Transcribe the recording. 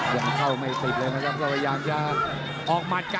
ยังเข้าไม่ติดเลยนะครับก็พยายามจะ